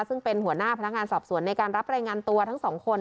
ซึ่งเป็นหัวหน้าพนักงานสอบสวนในการรับรายงานตัวทั้งสองคน